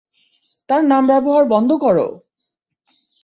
তাঁর নাম ব্যবহার বন্ধ করো!